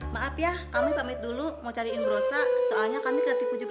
maaf ya kami pamit dulu mau cariin bu rosa soalnya kami kena tipu juga sama dia